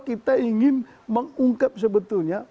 kita ingin mengungkap sebetulnya